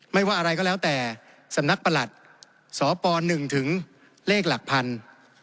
ไม่ว่าอะไรก็แล้วแต่สำนักประหลัดสป๑ถึงเลขหลักพันธุ์